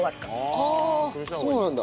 ああそうなんだ。